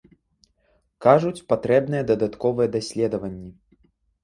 Кажуць, патрэбныя дадатковыя даследаванні.